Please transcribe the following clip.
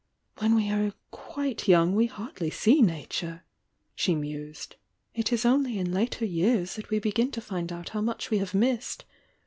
"When we are quite young we hardly see Nature," she mused. "It is only in later years that we begin to find out how much we have missed.